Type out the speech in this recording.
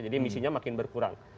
jadi emisinya makin berkurang